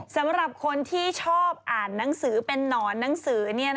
สำหรับคนที่ชอบอ่านหนังสือเป็นนอนหนังสือ